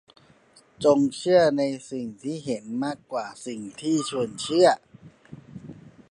จงเชื่อในสิ่งที่เห็นมากกว่าสิ่งที่ชวนเชื่อ